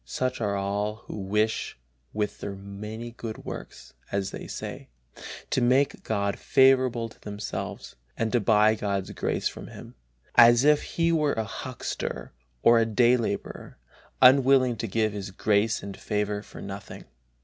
Such are all who wish with their many good works, as they say, to make God favorable to themselves, and to buy God's grace from Him, as if He were a huckster or a day laborer, unwilling to give His grace and favor for nothing.